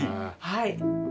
はい。